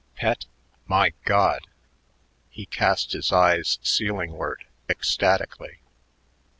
"Pet? My God!" He cast his eyes ceilingward ecstatically.